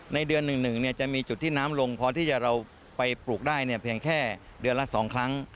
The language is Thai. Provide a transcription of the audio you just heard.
ในเดือน๑๑จะมีจุดที่น้ำลงพอที่เราไปปลูกได้เพียงแค่เดือนละ๒ครั้ง